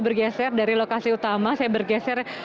bergeser dari lokasi utama saya bergeser